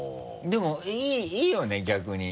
でもいいよね逆に。